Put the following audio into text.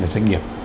và doanh nghiệp